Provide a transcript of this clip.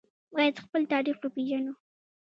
باید خپل تاریخ وپیژنو